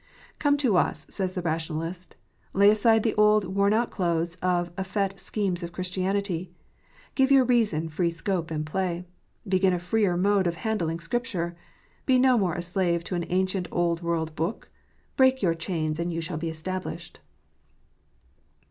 "Come to us," says the Kationalist. "Lay aside the old worn out clothes of effete schemes of Christianity. Give your reason free scope and play. Begin a freer mode of handling Scripture. Be no more a slave to an ancient old world book. Break your chains, and you shall be established."